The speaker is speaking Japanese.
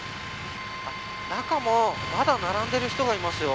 中もまだ並んでいる人がいますよ。